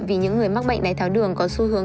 vì những người mắc bệnh đáy tháo đường có xu hướng